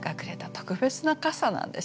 特別な傘なんですよね。